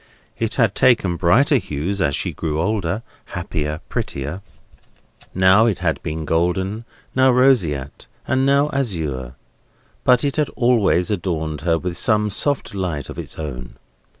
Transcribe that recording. It had taken brighter hues as she grew older, happier, prettier; now it had been golden, now roseate, and now azure; but it had always adorned her with some soft light of its own.